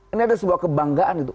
ini ada sebuah kebanggaan itu